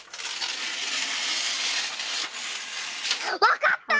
わかった！